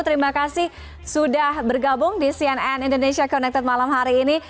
terima kasih sudah bergabung di cnn indonesia connected malam hari ini